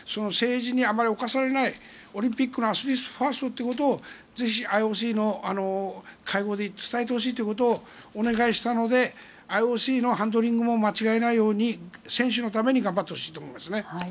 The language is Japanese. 政治にあまり侵されないオリンピックのアスリートファーストということをぜひ、ＩＯＣの会合で伝えてほしいということをお願いしたのでＩＯＣのハンドリングも間違いないように選手のために頑張ってほしいと思いますね。